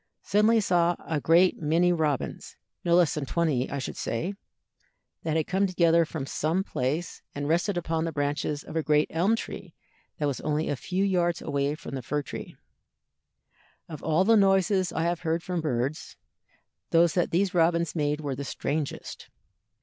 Suddenly I saw a great many robins not less than twenty, I should say that had come together from some place, and rested upon the branches of a great elm tree that was only a few yards away from the fir tree. Of all the noises I ever heard from birds, those that these robins made were the strangest.